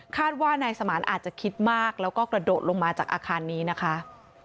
ว่านายสมานอาจจะคิดมากแล้วก็กระโดดลงมาจากอาคารนี้นะคะ